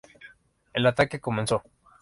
El ataque comenzó.